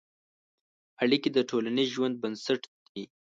اړیکې د ټولنیز ژوند بنسټ دي.